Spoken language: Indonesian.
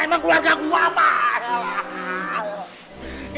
emang keluarga gue